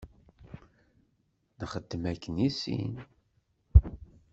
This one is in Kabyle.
Nxeddem akken i sin.